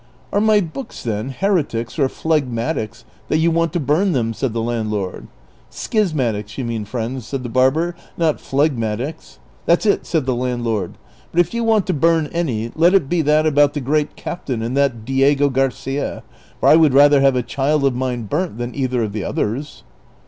"Are my books, then, heretics or phlegmatics that you want to burn them ?" said the landlord. " Schismatics you mean, friend," said the barlier, " not phlegmatics." " That 's it," said the landlord ;" but if you want to burn any, let it be that about the Great Captain and that Diego Garcia ; for I would rather have a child of mine burnt than either of the others."